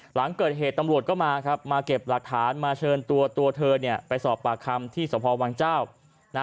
หลังเกิดเหตุตำรวจก็มาครับมาเก็บหลักฐานมาเชิญตัวตัวเธอไปสอบปากคำที่สพวังเจ้า